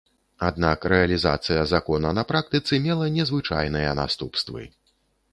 Аднак рэалізацыя закона на практыцы мела незвычайныя наступствы.